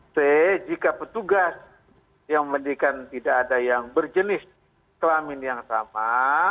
c jika petugas yang mendirikan tidak ada yang berjenis kelamin yang sama